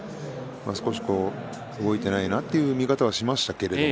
ちょっと動いていないなという見方はしましたけれど。